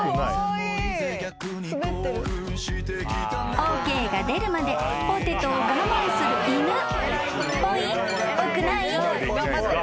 ［ＯＫが出るまでポテトを我慢する犬］頑張ってる。